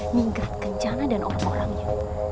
minggat kencana dan orang orangnya